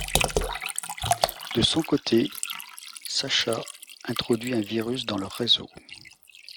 De son côté, Sasha introduit un virus dans leur réseaux.